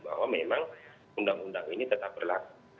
bahwa memang undang undang ini tetap berlaku